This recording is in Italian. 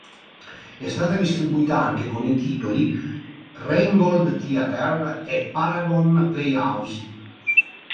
È stata distribuita anche con i titoli "Rheingold Theatre" e "Paragon Playhouse".